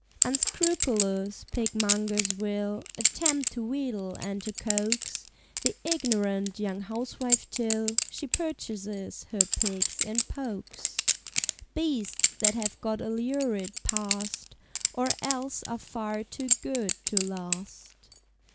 _" Unscrupulous Pigmongers will Attempt to wheedle and to coax The ignorant young housewife till She purchases her pigs in pokes; Beasts that have got a Lurid Past, Or else are far Too Good to Last.